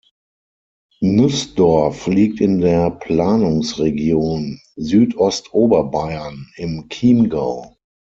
Nußdorf liegt in der Planungsregion Südostoberbayern im Chiemgau.